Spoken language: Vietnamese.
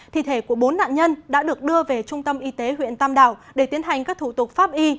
thì thể của bốn nạn nhân đã được đưa về trung tâm y tế huyện tam đảo để tiến hành các thủ tục pháp y